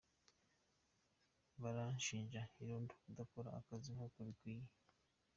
Barashinja irondo kudakora akazi nk’uko bikwiye.